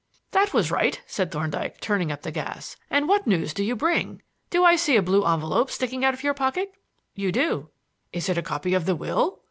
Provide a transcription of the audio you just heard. "That was right," said Thorndyke, turning up the gas. "And what news do you bring? Do I see a blue envelope sticking out of your pocket?" "You do." "Is it a copy of the will?"